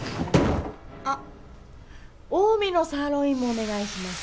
あっ近江のサーロインもお願いします。